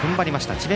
智弁